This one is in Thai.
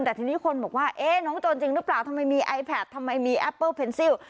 แต่ทีนี้คนบอกว่าน้องโจรจริงหรือเปล่าทำไมมีไอแพททำไมมีแอปเปิ้ลเพนซิล